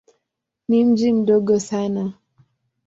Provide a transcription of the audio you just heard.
Ni mji mdogo sana.